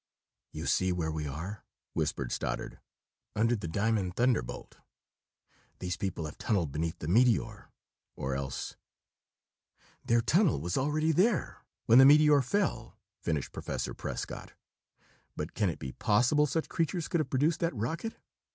"You see where we are?" whispered Stoddard. "Under the Diamond Thunderbolt! These people have tunneled beneath the meteor. Or else " "Their tunnel was already there, when the meteor fell," finished Professor Prescott. "But can it be possible such creatures could have produced that rocket?"